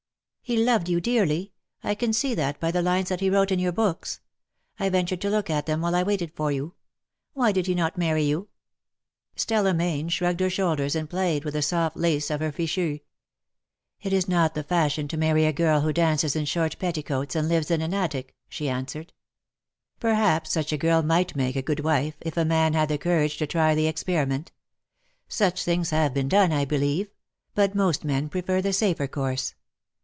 " He loved you dearly. I can see that by the lines that he wrote in your books. I ventured to look at them while I waited for you. Why did he not marry you*?^' Stella Mayne shrugged her shoulders, and played with the soft lace of her fichu. " It is not the fashion to marry a girl who dances in short petticoats, and lives in an attic,'' she answered. " Perhaps such a girl might make a good wife, if a man had the courage to try the experiment. Such things have been done, I believe; but most men prefer the safer course.